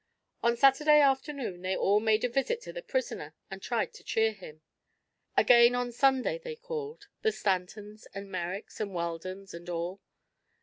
On Saturday afternoon they all made a visit to the prisoner and tried to cheer him. Again on Sunday they called the Stantons and Merricks and Weldons and all.